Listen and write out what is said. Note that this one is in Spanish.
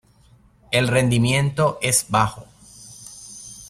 El rendimiento es bajo.